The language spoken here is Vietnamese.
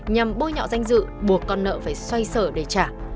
nhằm bôi nhọ danh dự buộc con nợ phải xoay sở để trả